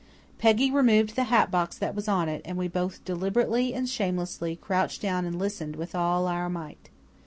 Peggy removed the hat box that was on it, and we both deliberately and shamelessly crouched down and listened with all our might.